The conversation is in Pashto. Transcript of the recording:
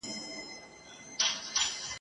له غړومبي یې رېږدېدل هډ او رګونه !.